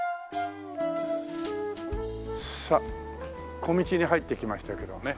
さあ小道に入ってきましたけどね。